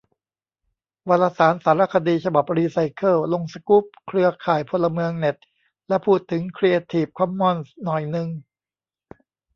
วารสาร 'สารคดี' ฉบับ 'รีไซเคิล' ลงสกู๊ป เครือข่ายพลเมืองเน็ต และพูดถึงครีเอทีฟคอมมอนส์หน่อยนึง